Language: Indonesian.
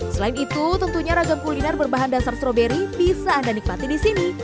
selain itu tentunya ragam kuliner berbahan dasar stroberi bisa anda nikmati di sini